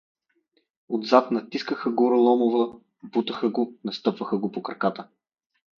Отзад натискаха Гороломова, бутаха го, настъпваха го по краката.